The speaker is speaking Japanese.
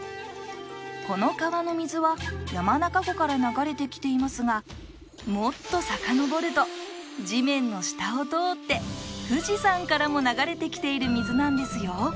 この川の水は山中湖から流れてきていますがもっとさかのぼると地面の下を通って富士山からも流れてきている水なんですよ。